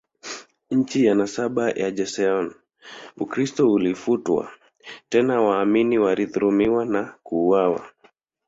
Chini ya nasaba ya Joseon, Ukristo ulifutwa, tena waamini walidhulumiwa na kuuawa.